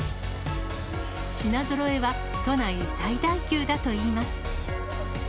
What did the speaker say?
品ぞろえは都内最大級だといいます。